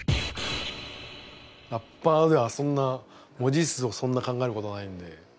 ラッパーではそんな文字数をそんな考えることがないんで。